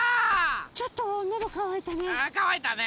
ちょっとのどかわいたね。